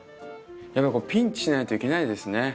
やっぱりピンチしないといけないですね。